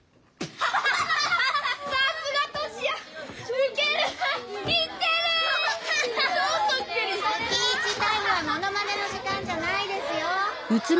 スピーチタイムはものまねの時間じゃないですよ！